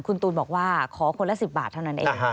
คุณตูนบอกว่าขอคนละ๑๐บาทเท่านั้นเอง